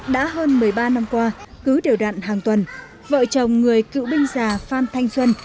đã hơn một mươi ba năm qua cứ điều đạn hàng tuần vợ chồng người cựu binh già phan thanh xuân